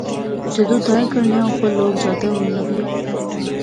جدوں دائیں کنڈیاں اُپر لوک جادے ہونے لغے